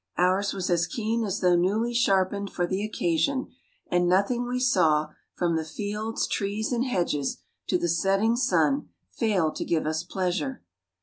"Ours was as keen as though newly sharpened for the occasion; and nothing we saw, from the fields, trees, and hedges, to the setting sun, failed to give us pleasure.